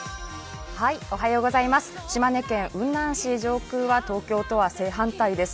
島根県雲南市、上空は東京とは正反対です。